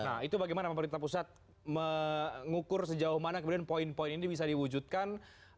nah itu bagaimana pemerintah pusat mengukur sejauh mana kemudian poin poin ini bisa diwujudkan